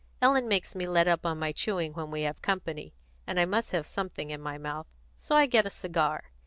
Ellen makes me let up on my chewing when we have company, and I must have something in my mouth, so I get a cigar.